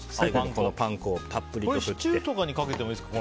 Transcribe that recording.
このパン粉はシチューとかにかけてもいいですか？